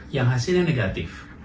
yang hasilnya negatif